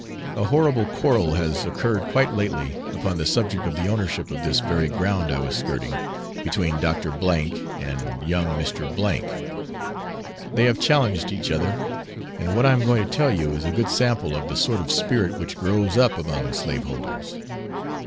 A horrible quarrel has occurred quite lately upon the subject of the ownership of this very ground I was skirting, between Dr. H and young Mr. W ; they have challenged each other, and what I am going to tell you is a good sample of the sort of spirit which grows up among slaveholders.